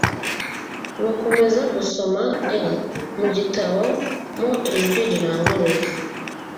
Bakomeza gusoma e mu gitabo mu ijwi riranguruye